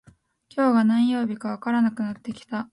今日が何曜日かわからなくなってきた